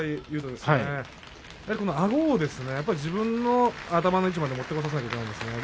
やはりあごを自分の頭の位置まで持ってこさせなければいけないですね。